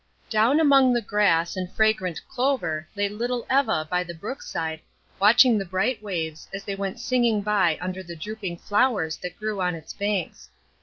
Down among the grass and fragrant clover lay little Eva by the brook side, watching the bright waves, as they went singing by under the drooping flowers that grew on its banks.